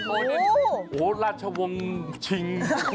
โอ้โหอลาชะวงศ์ชิง